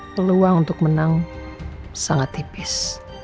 peluang untuk menang sangat tipis